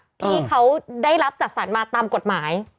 ที่เขาได้รับจัดสรรมาตามกฎหมาย